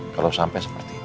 kalau sampai seperti itu